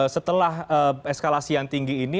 setelah eskalasi yang tinggi ini